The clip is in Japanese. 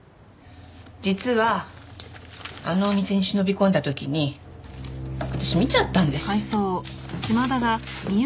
実はあのお店に忍び込んだ時に私見ちゃったんです。